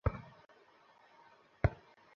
কিন্তু আমি মেঝে পরিষ্কার করি না।